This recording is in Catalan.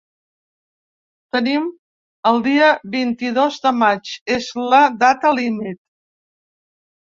Tenim el dia vint-i-dos de maig, és la data límit.